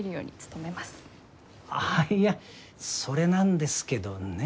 ああいやそれなんですけどね。